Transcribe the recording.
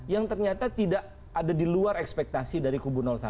yang ternyata tidak ada di luar ekspektasi dari kubu satu